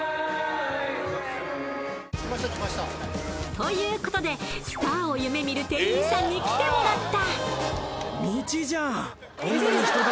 ということでスターを夢見る店員さんに来てもらった。